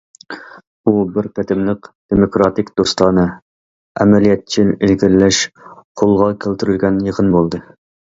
بۇ بىر قېتىملىق دېموكراتىك، دوستانە، ئەمەلىيەتچىل، ئىلگىرىلەش قولغا كەلتۈرۈلگەن يىغىن بولدى.